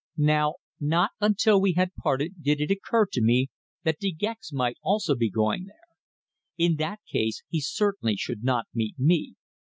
Now, not until we had parted did it occur to me that De Gex might be also going there. In that case he certainly should not meet me.